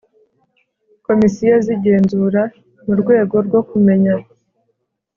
Komisiyo z igenzura mu rwego rwo kumenya